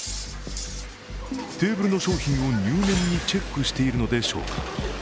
テーブルの商品を入念にチェックしているのでしょうか。